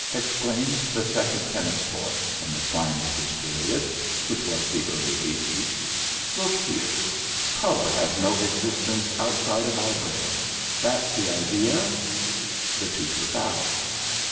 exclaimed the second tennis boy, in the slang of his period, which was the early eighties. "Look here. Color has no existence outside of our brain that's the idea?" The tutor bowed.